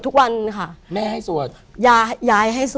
คาถาอะไร